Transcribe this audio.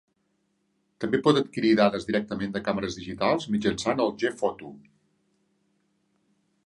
També pot adquirir dades directament de càmeres digitals mitjançant el gPhoto.